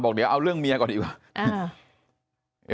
เดี๋ยวเอาเรื่องเมียก่อนดีกว่า